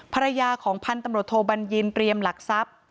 ภรรยาของพันธุ์ตำรวจโทบัญญินเตรียมหลักทรัพย์